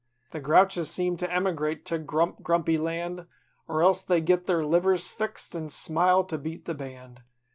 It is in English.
The grouches seem to emigrate to Grump grumpy Land, Or else they get their livers fixed an' smile to beat the band.